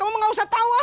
kamu mah ga usah tawa